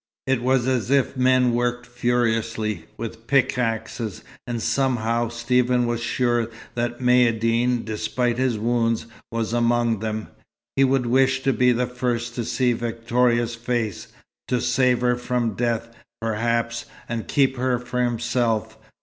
It was as if men worked furiously, with pickaxes; and somehow Stephen was sure that Maïeddine, despite his wounds, was among them. He would wish to be the first to see Victoria's face, to save her from death, perhaps, and keep her for himself.